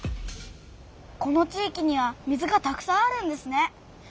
この地いきには水がたくさんあるんですね。